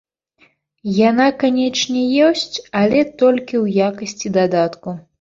Яна канечне ёсць, але толькі ў якасці дадатку.